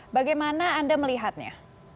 bagaimana anda melihatnya